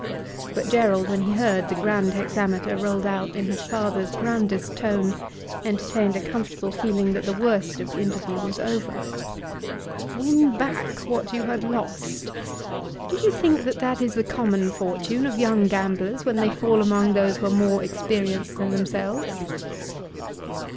But Gerald, when he heard the grand hexameter rolled out in his father's grandest tone, entertained a comfortable feeling that the worst of the interview was over. "Win back what you had lost! Do you think that that is the common fortune of young gamblers when they fall among those who are more experienced than themselves?"